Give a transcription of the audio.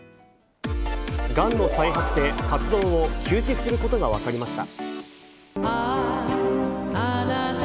がんの再発で活動を休止することが分かりました。